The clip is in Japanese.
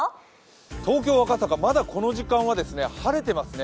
東京・赤坂、まだこの時間は晴れていますね。